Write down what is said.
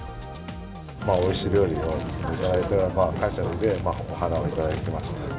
おいしい料理を頂いた感謝で、お花を頂きました。